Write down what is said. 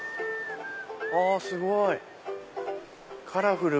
すごい！カラフル！